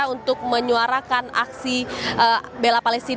untuk menyuarakan aksi bela palestina